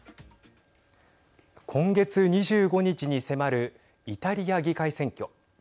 今月２５日に迫るイタリア議会選挙。